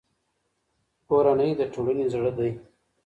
کورنۍ د ټولنې زړه دی.